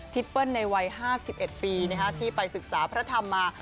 เปิ้ลในวัย๕๑ปีที่ไปศึกษาพระธรรมมา